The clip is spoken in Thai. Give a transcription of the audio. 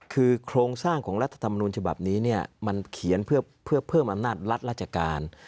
คือโครงสร้างของรัฐธรรมนูญฉบับนี้มันเขียนเพื่อเพิ่มอำนาจรัฐราชการ